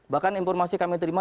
bahkan informasi kami terima